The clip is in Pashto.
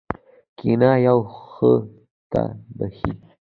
کېنه یو خو ته بېخي.